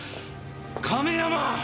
亀山！